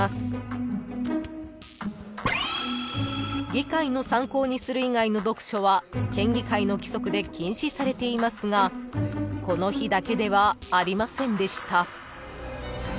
［議会の参考にする以外の読書は県議会の規則で禁止されていますがこの日だけではありませんでした］